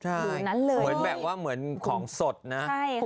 ใช่เหมือนแบบว่าเหมือนของสดนะ